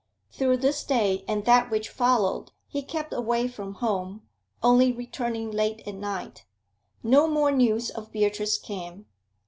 Through this day and that which followed he kept away from home, only returning late at night. No more news of Beatrice came.